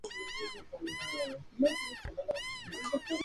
En un buen año pueden tener varias camadas.